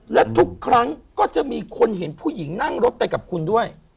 และทุกครั้งก็จะมีคนเห็นผู้หญิงนั่งรถไปกับคุณด้วย